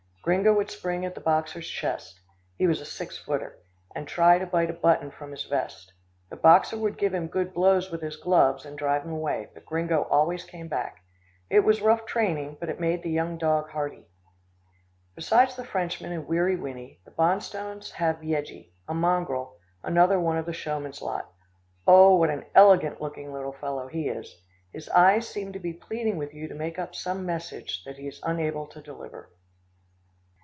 Gringo would spring at the boxer's chest he was a six footer and try to bite a button from his vest. The boxer would give him good blows with his gloves, and drive him away, but Gringo always came back. It was rough training, but it made the young dog hardy. Besides the Frenchmen and Weary Winnie, the Bonstones have Yeggie, a mongrel, another one of the showman's lot. Oh! what an eloquent looking little fellow he is. His eyes seem to be pleading with you to make up some message, that he is unable to deliver.